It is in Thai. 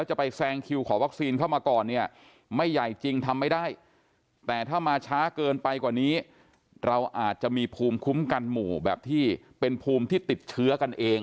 จริงทำไม่ได้แต่ถ้ามาช้าเกินไปกว่านี้เราอาจจะมีภูมิคุ้มกันหมู่แบบที่เป็นภูมิที่ติดเชื้อกันเอง